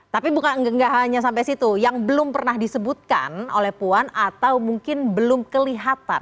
tapi bukan nggak hanya sampai situ yang belum pernah disebutkan oleh puan atau mungkin belum kelihatan